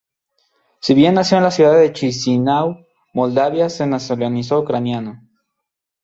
Si bien nació en la ciudad de Chisinau, Moldavia se nacionalizó ucraniano.